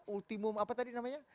ultimum apa tadi namanya